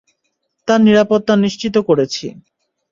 তার নিরাপত্তা নিশ্চিত করেছি।